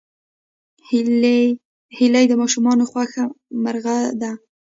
هیلۍ د ماشومانو خوښ مرغه ده